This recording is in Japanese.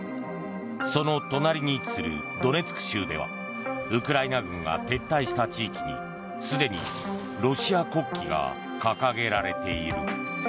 その隣に位置するドネツク州ではウクライナ軍が撤退した地域にすでにロシア国旗が掲げられている。